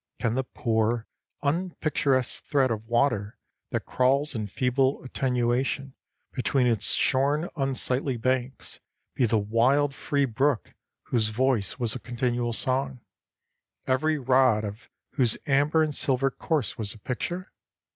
Can the poor, unpicturesque thread of water that crawls in feeble attenuation between its shorn, unsightly banks be the wild, free brook whose voice was a continual song, every rod of whose amber and silver course was a picture?